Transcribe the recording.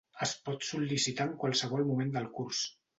Es pot sol·licitar en qualsevol moment del curs.